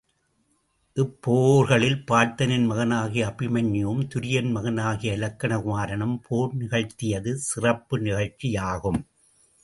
இப்போர்களில் பார்த்தனின் மகனாகிய அபிமன்யுவும் துரியன் மகனாகிய இலக்கண குமரனும் போர் நிகழ்த் தியது சிறப்பு நிகழ்ச்சியாகும்.